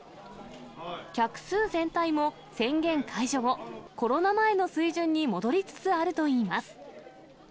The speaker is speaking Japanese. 客数全体も宣言解除後、コロナ前の水準に戻りつつあるといいます。